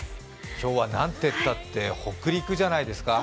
今日はなんてったって北陸じゃないですか。